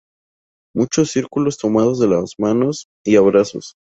Muchos círculos tomados de las manos y abrazos.".